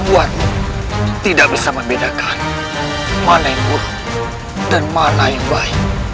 buat tidak bisa membedakan mana yang kuat dan mana yang baik